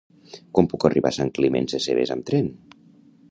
Com puc arribar a Sant Climent Sescebes amb tren?